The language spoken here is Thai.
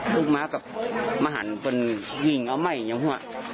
บุกมากับมหันเป็นยิ่งเอาไหม้อย่างหัว